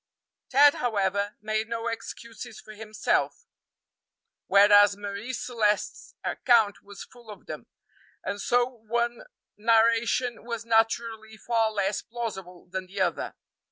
Ted, however, made no excuses for himself, whereas Marie Celeste's account was full of them; and so one narration was naturally far less plausible than the other.